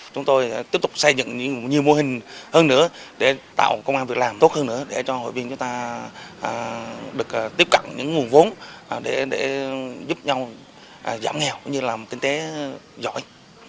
chúng tôi tiếp tục xây dựng nhiều mô hình hơn nữa để tạo công an việc làm tốt hơn nữa để cho hội viên chúng ta được tiếp cận những nguồn vốn để giúp nhau giảm nghèo cũng như làm kinh tế giỏi